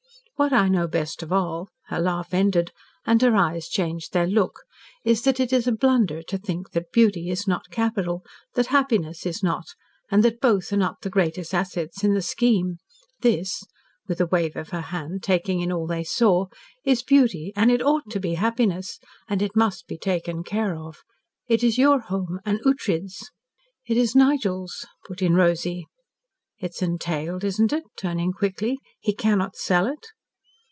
What I know best of all," her laugh ended and her eyes changed their look, "is that it is a blunder to think that beauty is not capital that happiness is not and that both are not the greatest assets in the scheme. This," with a wave of her hand, taking in all they saw, "is beauty, and it ought to be happiness, and it must be taken care of. It is your home and Ughtred's " "It is Nigel's," put in Rosy. "It is entailed, isn't it?" turning quickly. "He cannot sell it?"